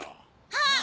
あっ！